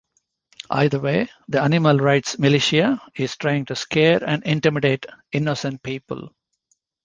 Either way, the Animal Rights Militia is trying to scare and intimidate innocent people.